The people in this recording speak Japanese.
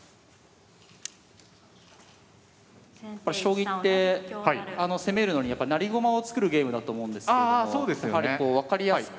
将棋って攻めるのにやっぱ成り駒を作るゲームだと思うんですけどもやはりこう分かりやすく。